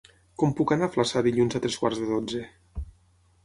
Com puc anar a Flaçà dilluns a tres quarts de dotze?